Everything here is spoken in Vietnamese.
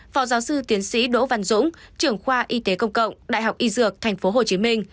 phó giáo sư tiến sĩ đỗ văn dũng trưởng khoa y tế công cộng đại học y dược tp hcm